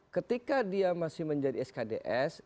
ketika dia masih menjadi skds